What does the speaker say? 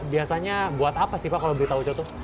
biasanya buat apa sih pak kalau beli taucho tuh